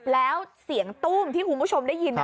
แล้วเสียงตู้มที่คุณผู้ชมได้ยิน